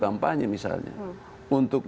kampanye misalnya untuk